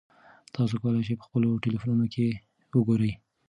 تاسي کولای شئ په خپلو ټیلیفونونو کې وګورئ.